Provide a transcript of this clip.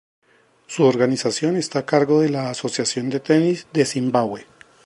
Su organización está a cargo de la Asociación de Tenis de Zimbabue.